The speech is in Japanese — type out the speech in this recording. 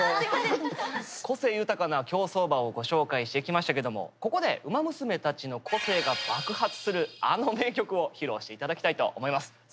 個性豊かな競走馬をご紹介してきましたけどもここでウマ娘たちの個性が爆発するアノ名曲を披露して頂きたいと思います。